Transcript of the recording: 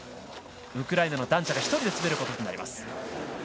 ウクライナのダンチャが１人で滑ることになります。